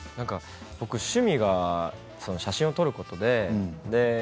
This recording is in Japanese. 僕、趣味が写真を撮ることで。